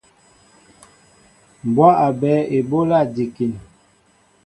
Mbwá a ɓɛέ eɓólá njikin.